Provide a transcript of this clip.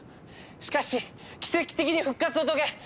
しかし奇跡的に復活を遂げ